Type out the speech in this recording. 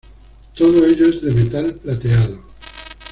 Todo ello es de metal plateado.